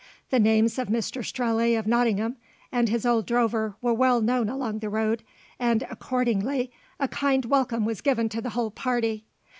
The names of Mr Strelley of Nottingham and his old drover were well known along the road, and accordingly a kindly welcome was given to the whole party.